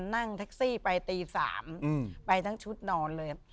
นั่งแท็กซี่ไปตี๓ไปทั้งชุดนอนเลย